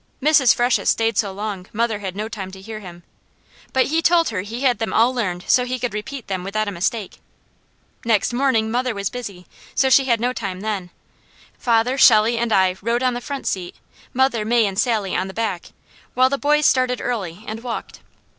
Mrs. Freshett stayed so long mother had no time to hear him, but he told her he had them all learned so he could repeat them without a mistake. Next morning mother was busy, so she had no time then. Father, Shelley, and I rode on the front seat, mother, May, and Sally on the back, while the boys started early and walked.